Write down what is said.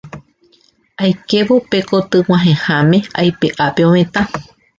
Aikévo pe kotyg̃uahẽháme aipe'a pe ovetã.